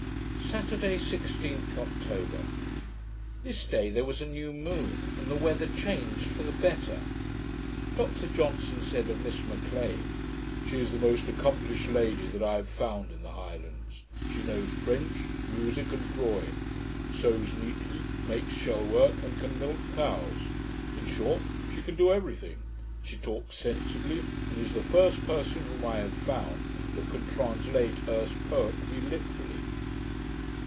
Saturday, 16th October This day there was a new moon, and the weather changed for the better. Dr Johnson said of Miss M'Lean, 'She is the most accomplished lady that I have found in the Highlands. She knows French, musick, and drawing, sews neatly, makes shell work, and can milk cows; in short, she can do every thing. She talks sensibly, and is the first person whom I have found, that can translate Erse poetry literally.'